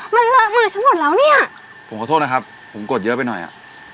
มันเลอะมือฉันหมดแล้วเนี่ยผมขอโทษนะครับผมกดเยอะไปหน่อยอ่ะ